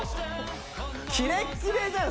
キレッキレだよ